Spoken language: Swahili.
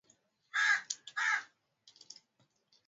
Kiislamu ukajielewa kuwa sehemu ya dunia ya Uislamu